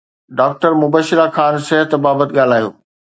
doctor Mubashira Khan صحت بابت ڳالهايو